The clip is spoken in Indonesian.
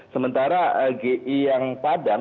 sementara gi yang padam